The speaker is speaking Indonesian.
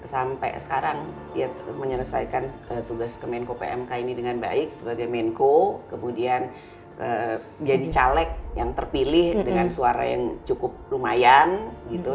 sampai sekarang ya menyelesaikan tugas kemenko pmk ini dengan baik sebagai menko kemudian jadi caleg yang terpilih dengan suara yang cukup lumayan gitu